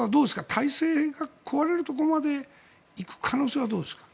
体制が壊れるところまで行く可能性はどうですか？